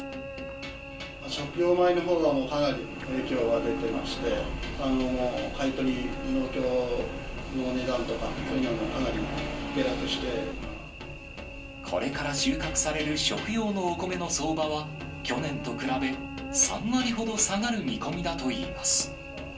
食用米のほうはもうかなり影響が出てまして、買い取り、これから収穫される食用のお米の相場は、去年と比べ、３割ほど下がる見込みだといいます。